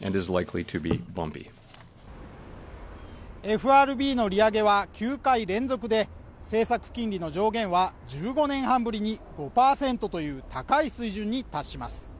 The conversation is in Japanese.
ＦＲＢの利上げは９回連続で政策金利の上限は、１５年半ぶりに５％という高い水準に達します。